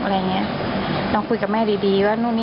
เอาคุยกับกลุ่มแม่ดูนะลูก